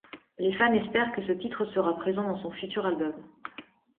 Les fans espèrent que ce titre sera présent dans son futur album.